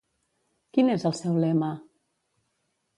Quin és el seu lema?